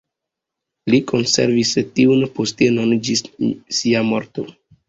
Li konservis tiun postenon ĝis sia morto.